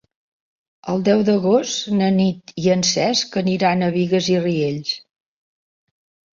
El deu d'agost na Nit i en Cesc aniran a Bigues i Riells.